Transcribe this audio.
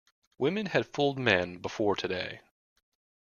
Women had fooled men before today.